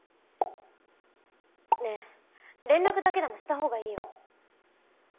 ねぇ連絡だけでもしたほうがいいよ。